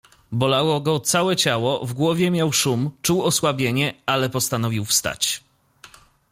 "Bolało go całe ciało, w głowie miał szum, czuł osłabienie, ale postanowił wstać."